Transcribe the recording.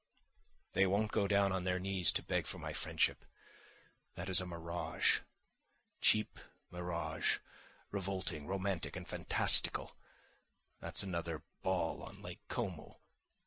"They won't go down on their knees to beg for my friendship. That is a mirage, cheap mirage, revolting, romantic and fantastical—that's another ball on Lake Como.